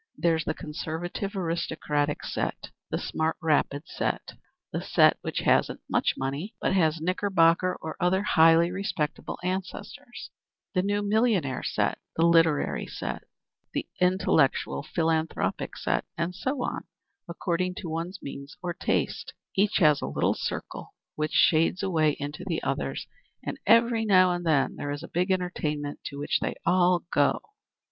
There's the conservative aristocratic set, the smart rapid set, the set which hasn't much money, but has Knickerbocker or other highly respectable ancestors, the new millionaire set, the literary set, the intellectual philanthropic set, and so on, according to one's means or tastes. Each has its little circle which shades away into the others, and every now and then there is a big entertainment to which they all go."